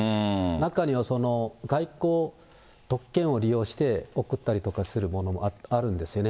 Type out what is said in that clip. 中には外交特権を利用して送ったりするものもあるんですよね。